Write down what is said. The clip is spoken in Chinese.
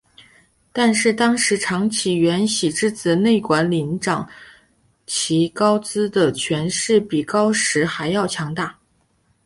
但是当时长崎圆喜之子内管领长崎高资的权势比高时还要强大。